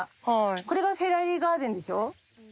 これがフェアリーガーデンでしょ？